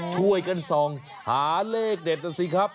ช่วยกันส่องหาเลขเด็ดนะสิครับ